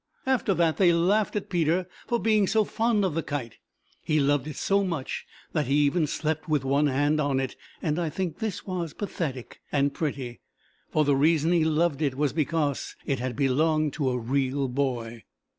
After that they laughed at Peter for being so fond of the kite, he loved it so much that he even slept with one hand on it, and I think this was pathetic and pretty, for the reason he loved it was because it had belonged to a real boy.